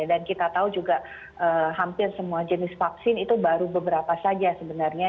dan kita tahu juga hampir semua jenis vaksin itu baru beberapa saja sebenarnya